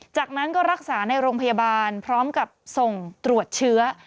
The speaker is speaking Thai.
จากนั้นก็รักษาในโรงพยาบาลพร้อมกับส่งตรวจเชื้อ